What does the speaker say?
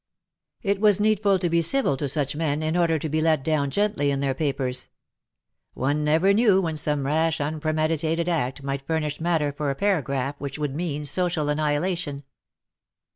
It was needful to be civil to such men, in order to be let down gently in their papers. One never knew when some rash unpremeditated act might furnish matter for a paragraph which would mean social annihilation.